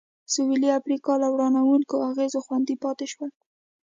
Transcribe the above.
سوېلي افریقا له ورانوونکو اغېزو خوندي پاتې شول.